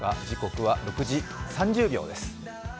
時刻は６時３０秒です。